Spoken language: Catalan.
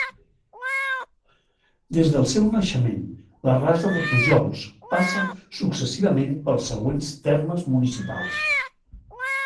Des del seu naixement, la Rasa de Pujols passa successivament pels següents termes municipals.